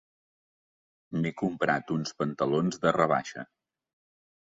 M'he comprat uns pantalons de rebaixa.